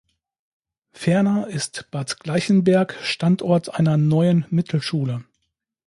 Ferner ist Bad Gleichenberg Standort einer Neuen Mittelschule.